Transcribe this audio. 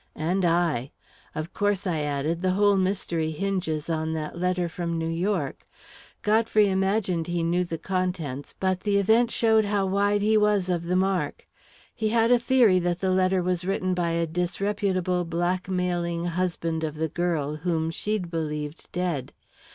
"And I. Of course," I added, "the whole mystery hinges on that letter from New York. Godfrey imagined he knew the contents, but the event showed how wide he was of the mark. He had a theory that the letter was written by a disreputable, blackmailing husband of the girl, whom she'd believed dead.